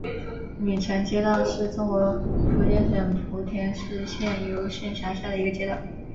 鲤城街道是中国福建省莆田市仙游县下辖的一个街道。